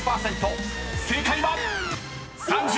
［正解は⁉］